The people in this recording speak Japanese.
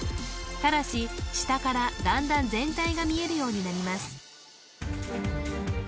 ただし下からだんだん全体が見えるようになります